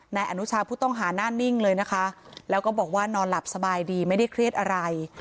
นายอนุชาผู้ต้องหาหน้านิ่งเลยนะคะแล้วก็บอกว่านอนหลับสบายดีไม่ได้เครียดอะไร